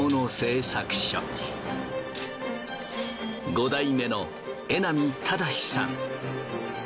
５代目の榎並正さん。